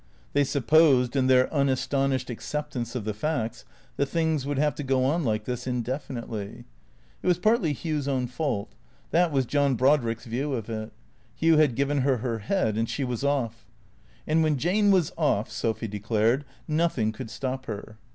They supposed, in their unastonished acceptance of the facts, that things would have to go on like this indefinitely. It was partly Hugh's own fault. That was John Brodrick's view of it. Hugh had given her her head and she was off. And when Jane was off (Sophy declared) nothing could stop her.